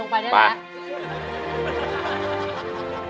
ไปลงไปได้แล้ว